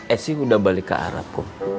eh sih udah balik ke arab kok